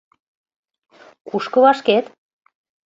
Кушко вашкет?